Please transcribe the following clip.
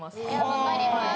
分かります。